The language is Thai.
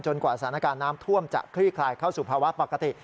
กว่าสถานการณ์น้ำท่วมจะคลี่คลายเข้าสู่ภาวะปกติ